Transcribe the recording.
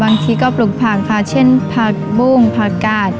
บางทีก็ปลูกผักค่ะเช่นผักบุ้งผักกาด